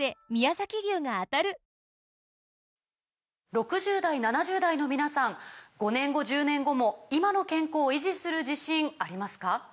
６０代７０代の皆さん５年後１０年後も今の健康維持する自信ありますか？